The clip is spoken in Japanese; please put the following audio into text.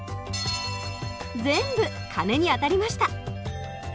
全部鐘に当たりました。